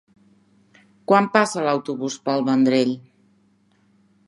Quan passa l'autobús per el Vendrell?